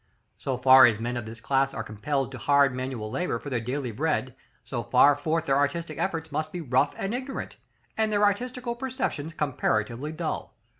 So far as men of this class are compelled to hard manual labor for their daily bread, so far forth their artistical efforts must be rough and ignorant, and their artistical perceptions comparatively dull.